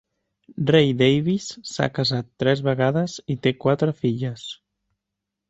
Ray Davies s'ha casat tres vegades i té quatre filles.